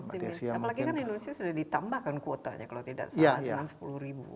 apalagi kan indonesia sudah ditambahkan kuotanya kalau tidak salah dengan sepuluh ribu